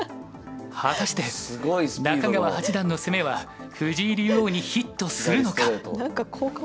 果たして中川八段の攻めは藤井竜王にヒットするのか！